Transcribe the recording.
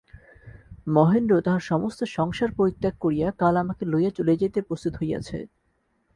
মহেন্দ্র তাহার সমস্ত সংসার পরিত্যাগ করিয়া কাল আমাকে লইয়া চলিয়া যাইতে প্রস্তুত হইয়াছে।